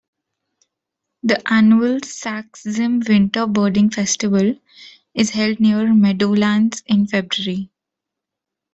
The annual Sax-Zim Winter Birding Festival is held near Meadowlands in February.